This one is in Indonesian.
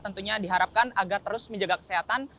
tentunya diharapkan agar terus menjaga kesehatan